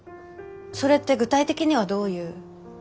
それって具体的にはどういう。